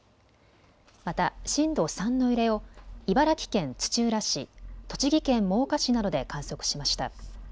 また震度３の揺れを茨城県土浦市、栃木県真岡市などで観測しました。